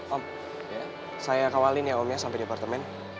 om saya kawalin ya omnya sampai di apartemen